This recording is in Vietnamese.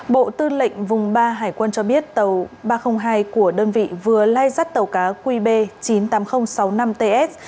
bộ tư lệnh vùng ba hải quân cho biết tàu ba trăm linh hai của đơn vị vừa lai rắt tàu cá qb chín mươi tám nghìn sáu mươi năm ts